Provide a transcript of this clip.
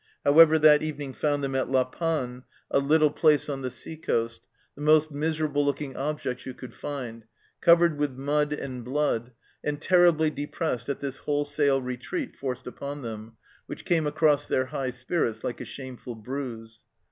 However, that evening found them at La Panne, a little SHELLED OUT 219 place on the sea coast, the most miserable looking objects you could find, covered with mud and blood, and terribly depressed at this wholesale retreat forced upon them, which came across their high spirits like a shameful bruise.